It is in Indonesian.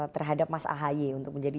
terhadap mas ahy untuk menjadi